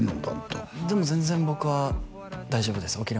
パッと全然僕は大丈夫です